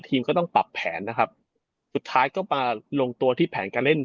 ทีมก็ต้องปรับแผนนะครับสุดท้ายก็มาลงตัวที่แผนการเล่น